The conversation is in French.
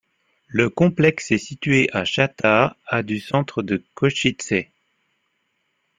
Le complexe est situé à Šaca à du centre de Košice.